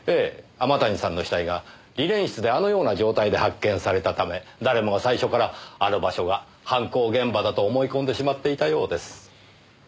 天谷さんの死体がリネン室であのような状態で発見されたため誰もが最初からあの場所が犯行現場だと思い込んでしまっていたようです。